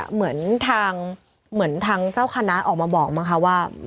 เหมือนทางเจ้าคณะออกมาบอกมั้งค่ะว่า